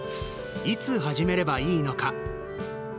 いつ始めればいいのか？